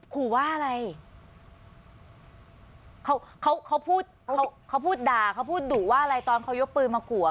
ขู่ว่าอะไรเขาเขาพูดเขาเขาพูดด่าเขาพูดดุว่าอะไรตอนเขายกปืนมาขู่